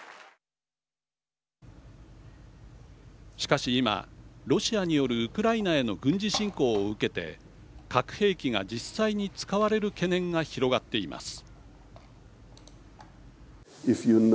しかし今ロシアによるウクライナへの軍事侵攻を受けて核兵器が実際に使われる懸念が広がっています。